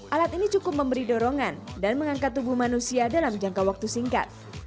alat ini cukup memberi dorongan dan mengangkat tubuh manusia dalam jangka waktu singkat